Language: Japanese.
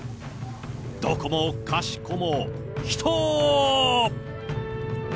どこもかしこも、人。